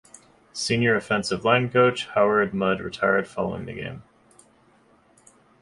Senior offensive line coach Howard Mudd retired following the game.